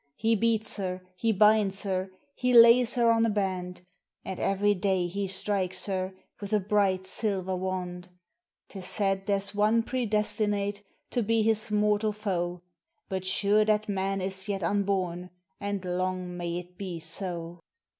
He beats her, he binds her, He lays her on a band ; And every day he strikes her With a bright silver wand. 'Tis said there's one predestinate To be his mortal foe ; But sure that man is yet unborn, And long may it be so